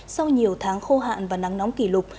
sau nhiều tháng khô hạn và nắng nóng kỷ lục